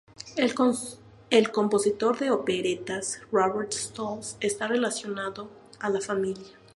El compositor de operetas Robert Stolz está relacionado a la familia.